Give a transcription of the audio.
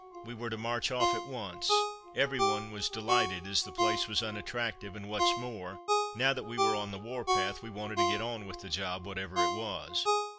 We were to march off at once. Every one was delighted, as the place was unattractive, and what's more, now that we were on the war path, we wanted to get on with the job, whatever it was.